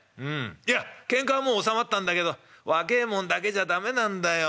いやけんかはもう収まったんだけど若えもんだけじゃ駄目なんだよ。